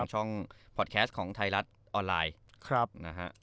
ช่องพอร์ตแคสต์ของไทยรัฐออนไลน์นะฮะ